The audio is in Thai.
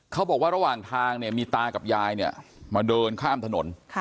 เขาบอกว่าระหว่างทางมีตากับยายมาเดินข้ามถนน